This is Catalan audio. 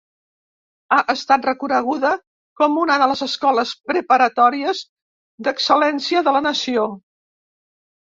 Ha estat reconeguda com una de les escoles preparatòries d'ecel·lència de la nació.